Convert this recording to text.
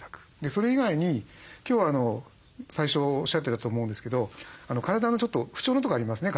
それ以外に今日最初おっしゃってたと思うんですけど体のちょっと不調なとこありますね。